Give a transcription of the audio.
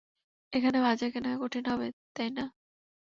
এখানে ভাজা কেনা কঠিন হবে, তাই না?